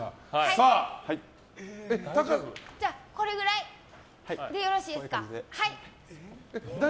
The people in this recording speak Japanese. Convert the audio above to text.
これくらいでよろしいですか？